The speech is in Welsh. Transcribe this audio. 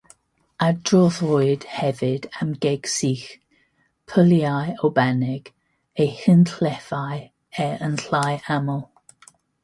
Adroddwyd hefyd am geg sych, pyliau o banig, a hunllefau, er yn llai aml.